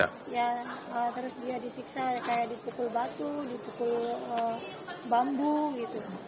terus dia disiksa kayak dipukul batu dipukul bambu gitu